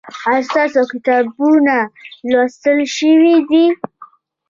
ایا ستاسو کتابونه لوستل شوي دي؟